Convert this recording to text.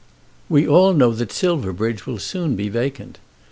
"We all know that Silverbridge will soon be vacant.